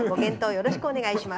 よろしくお願いします」。